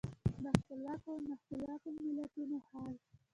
د خپلواکو او نا خپلواکو ملتونو حال.